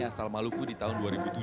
asal maluku di tahun dua ribu tujuh